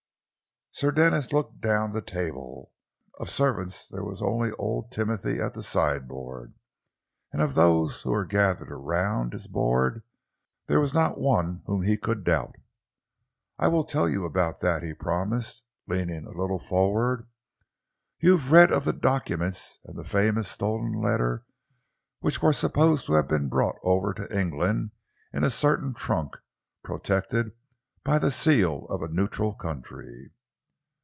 Sir Denis looked down the table. Of servants there was only old Timothy at the sideboard, and of those who were gathered around his board there was not one whom he could doubt. "I will tell you about that," he promised, leaning a little forward. "You have read of the documents and the famous stolen letter which were supposed to have been brought over to England in a certain trunk, protected by the seal of a neutral country?"